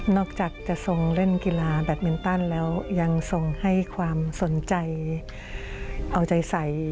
อกจากจะทรงเล่นกีฬาแบตมินตันแล้วยังทรงให้ความสนใจเอาใจใส